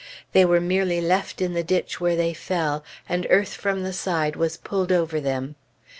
They were merely left in the ditch where they fell, and earth from the side was pulled over them.